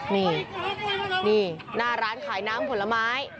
นี่นี่หน้าร้านขายน้ำผลไม้